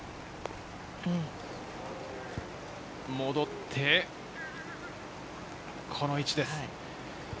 戻って、この位置です。